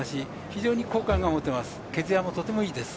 非常に好感が持てます。